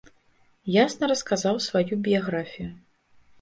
Ясна расказаў сваю біяграфію.